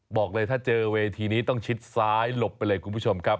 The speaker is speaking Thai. บอกเลยถ้าเจอเวทีนี้ต้องชิดซ้ายหลบไปเลยคุณผู้ชมครับ